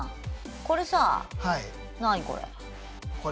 これさあ何これ。